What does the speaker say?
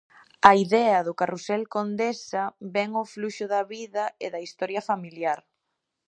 A idea do carrusel condensa ben o fluxo da vida e da historia familiar.